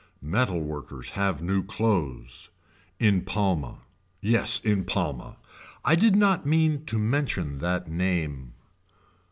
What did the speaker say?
Metal workers have new clothes. In Palma. Yes in Palma. I did not mean to mention that name.